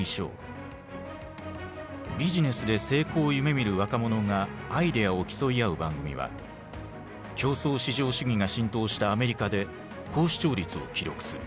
ビジネスで成功を夢みる若者がアイデアを競い合う番組は競争至上主義が浸透したアメリカで高視聴率を記録する。